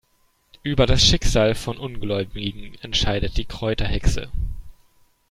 Über das Schicksal von Ungläubigen entscheidet die Kräuterhexe.